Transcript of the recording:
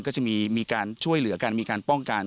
ก็จะมีการช่วยเหลือกันมีการป้องกัน